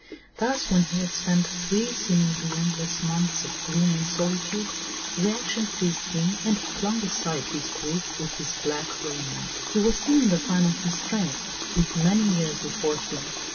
Thus when he had spent three seemingly endless months of gloom and solitude, reaction seized him, and he flung aside his grief with his black raiment. He was still in the prime of his strength, with many years before him.